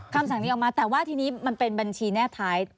คำสั่งนี้ออกมาแต่ว่าทีนี้มันเป็นบัญชีแนบท้าย